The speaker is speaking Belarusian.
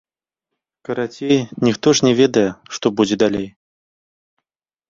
Карацей, ніхто ж не ведае, што будзе далей.